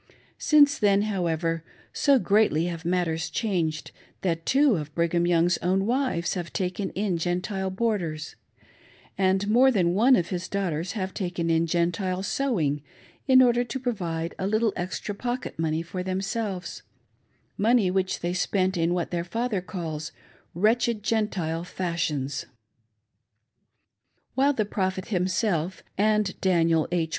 Since then, however, so greatly have matters changed, that two of Brigham Young's own wives have taken in Gentile boarders ; and more than one of his daughters have taken in Gentile sewing in order to provide a little extra pocket money for themselves — money which they spent in what their father calls "wretched Gentile fashions." While the Prophet himself, and Daniel H.